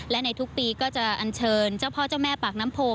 และในทุกปีก็จะอัญเชิญเจ้าพ่อเจ้าแม่ปากน้ำโพ